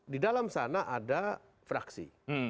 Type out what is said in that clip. di dalam sana ada fraksi